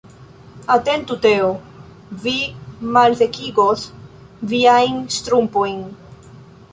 Atentu Teo, vi malsekigos viajn ŝtrumpojn.